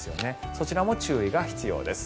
そちらも注意が必要です。